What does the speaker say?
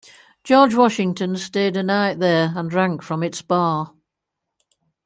George Washington stayed a night there and drank from its bar.